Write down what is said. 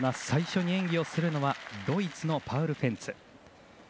最初に演技をするのはドイツのパウル・フェンツ。